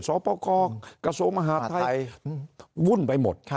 สปคกระทรวงมหาไทยวุ่นไปหมด